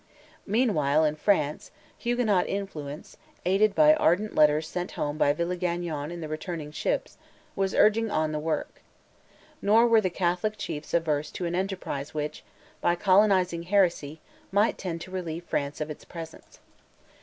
Meanwhile, in France, Huguenot influence, aided by ardent letters sent home by Villegagnon in the returning ships, was urging on the work. Nor were the Catholic chiefs averse to an enterprise which, by colonizing heresy, might tend to relieve France of its presence.